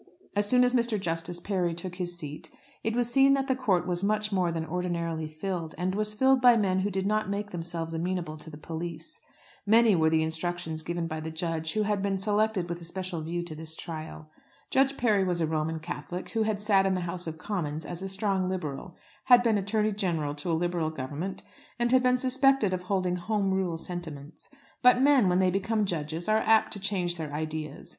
As soon as Mr. Justice Parry took his seat, it was seen that the court was much more than ordinarily filled, and was filled by men who did not make themselves amenable to the police. Many were the instructions given by the judge who had been selected with a special view to this trial. Judge Parry was a Roman Catholic, who had sat in the House of Commons as a strong Liberal, had been Attorney General to a Liberal Government, and had been suspected of holding Home Rule sentiments. But men, when they become judges, are apt to change their ideas.